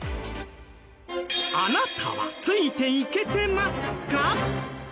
あなたはついていけてますか？